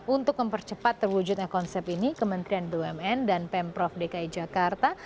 untuk mempercepat terwujudnya konsep ini kementerian bumn dan pemprov dki jakarta